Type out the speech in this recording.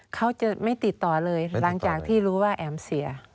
เขาจะไม่ติดต่อเลยหลังจากที่รู้ว่าแอ๋มเสีย